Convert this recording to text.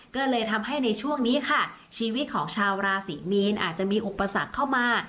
ก็เลยทำให้ในช่วงนี้ค่ะชีวิตของชาวราศรีมีนอาจจะมีอุปสรรคเข้ามา